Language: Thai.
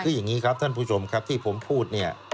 คืออย่างนี้ครับท่านผู้ชมที่ผมพูด